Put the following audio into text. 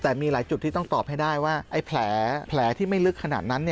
แต่มีหลายจุดที่ต้องตอบให้ได้ว่าไอ้แผลที่ไม่ลึกขนาดนั้น